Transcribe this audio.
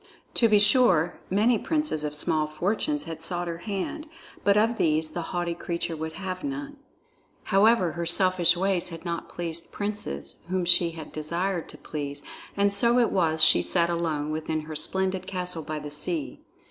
To be sure, many princes of small fortunes had sought her hand, but of these the haughty creature would have none. However, her selfish ways had not pleased princes whom she had desired to please, and so it was she sat alone within her splendid castle by the sea.